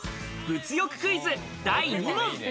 物欲クイズ第２問！